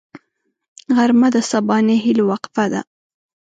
غرمه د سبانۍ هيلو وقفه ده